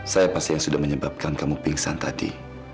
saya pasti yang sudah menyebabkan kamu pingsan tadi